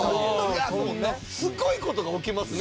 すごい事が起きますね